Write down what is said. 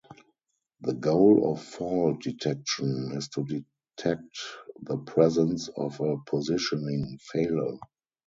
The goal of fault detection is to detect the presence of a positioning failure.